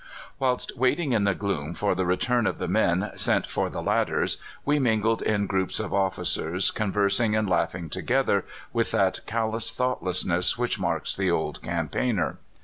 "Whilst waiting in the gloom for the return of the men sent for the ladders, we mingled in groups of officers, conversing and laughing together with that callous thoughtlessness which marks the old campaigner.